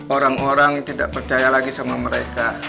orang orang tidak percaya lagi sama mereka